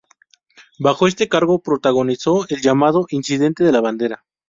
Bajo este cargo protagonizó el llamado "incidente de La Bandera".